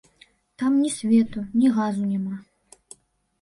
Там ні свету, ні газу няма.